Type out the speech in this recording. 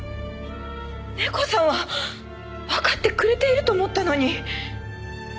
ネコさんはわかってくれていると思ったのに。